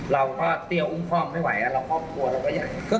เราก็เตียวอุงคล่องไม่ไหวและเราก็กลัวเราก็อย่างนี้